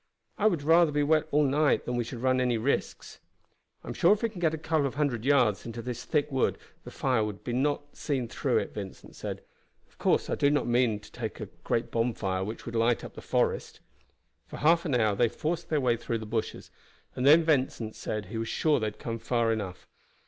I would rather be wet all night than that we should run any risks." "I am sure if we can get a couple of hundred yards into this thick wood the fire would not be seen through it," Vincent said; "of course I do not mean to make a great bonfire which would light up the forest." For half an hour they forced their way through the bushes, and then Vincent said he was sure that they had come far enough.